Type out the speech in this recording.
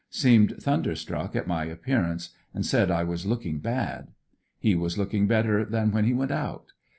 Seemed thunderstruck at my appearance and said I was looking bad. He was looking better than when he went out.